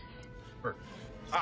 あっ。